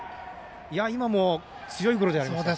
今も、強いゴロじゃないですか。